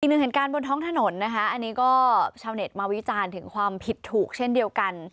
อีกหนึ่งเหตุการณ์บนท้องถนนนะคะอันนี้ก็ชาวเน็ตมาวิจารณ์ถึงความผิดถูกเช่นเดียวกัน